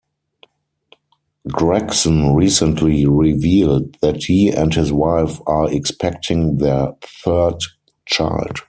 Gregson recently revealed that he and his wife are expecting their third child.